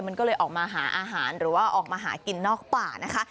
มันก็เลยออกมาหาอาหารหรือว่าออกมาหากินนอกป่านะคะ